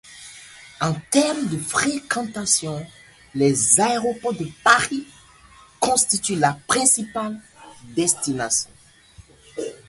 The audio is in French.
En termes de fréquentation, les aéroports de Paris constituent la principale destination.